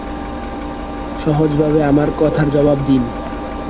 সহজভাবে আমার কথার জবাব দিন।